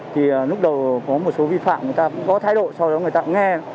bắt đầu có một số vi phạm người ta có thái độ sau đó người ta cũng nghe